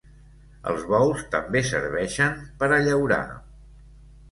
Els bous també serveixen per a llaurar.